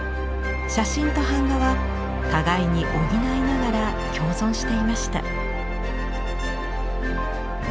写真と版画は互いに補いながら共存していました。